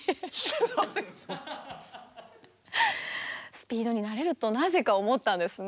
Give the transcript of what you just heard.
ＳＰＥＥＤになれるとなぜか思ったんですね。